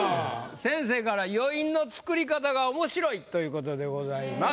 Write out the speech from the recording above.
先生から「余韻の作り方が面白い」という事でございます。